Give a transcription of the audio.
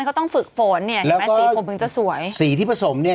เขาต้องฝึกฝนเนี่ยเห็นไหมสีผมถึงจะสวยสีที่ผสมเนี่ย